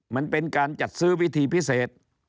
มันเป็นการจัดซื้อวิธีพิเศษ